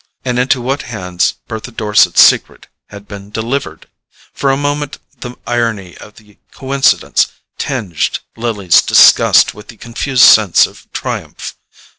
And into what hands Bertha Dorset's secret had been delivered! For a moment the irony of the coincidence tinged Lily's disgust with a confused sense of triumph.